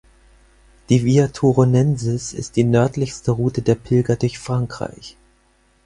Die Via Turonensis ist die nördlichste Route der Pilger durch Frankreich.